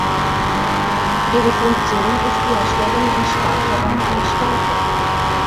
Ihre Funktion ist die Erstellung und Speicherung von Stärke.